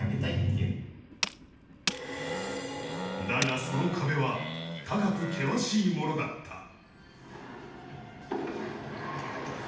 だがその壁は高く険しいものだった。